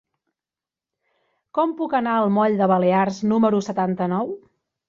Com puc anar al moll de Balears número setanta-nou?